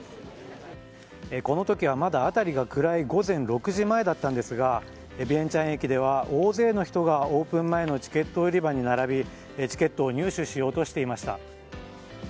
この時は、まだ辺りが暗い午前６時前だったんですがビエンチャン駅では大勢の人がオープン前のチケット売り場に並びチケットを入手しようとしていました。